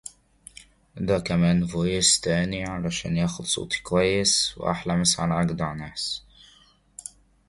His parents were also alumni of Pomona College.